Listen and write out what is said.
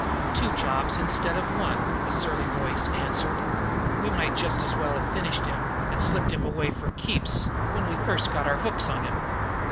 "Two jobs instead of one!" a surly voice answered. "We might just as well have finished him and slipped him away for keeps when we first got our hooks on him."